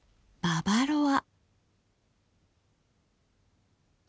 ババロア。